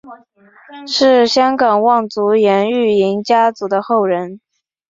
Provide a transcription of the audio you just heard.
是香港望族颜玉莹家族的后人。